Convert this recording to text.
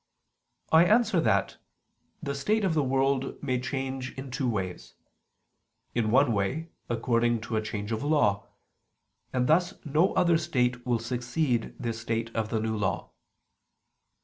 I answer that, The state of the world may change in two ways. In one way, according to a change of law: and thus no other state will succeed this state of the New Law.